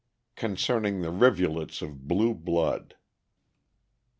_Concerning the Rivulets of Blue Blood.